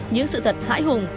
những sự thật hãi hùng